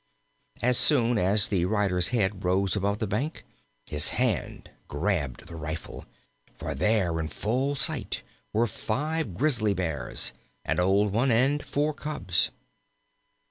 As soon as the rider's head rose above the bank his hand grabbed the rifle, for there in full sight were five Grizzly Bears, an old one and four cubs.